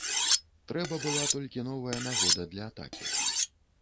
Трэба была толькі новая нагода для атакі.